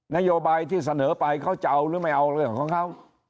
นโยบายที่เสนอไปเขาจะเอาหรือไม่เอาเรื่องของเขา